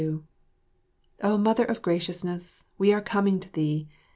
32 O Mother of graciousness, we are coming to thee!